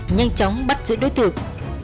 nhanh chóng bắt giữ đối tượng